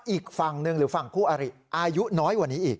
อีกฝั่งหนึ่งหรือฝั่งคู่อริอายุน้อยกว่านี้อีก